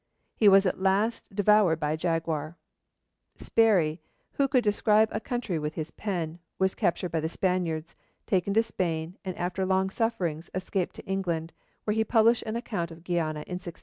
He was at last devoured by a jaguar. Sparrey, who 'could describe a country with his pen,' was captured by the Spaniards, taken to Spain, and after long sufferings escaped to England, where he published an account of Guiana in 1602.